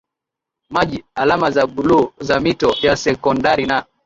maji alama za bluu za mito ya sekondari na